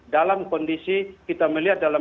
dalam kondisi kita melihat dalam